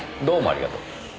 どうもありがとう。